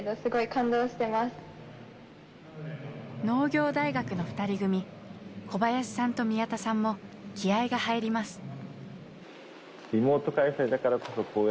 農業大学の２人組小林さんと宮田さんも気合いが入ります。